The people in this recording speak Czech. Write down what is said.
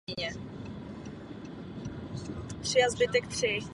Nařízemí nabude plné účinnosti za dva roky.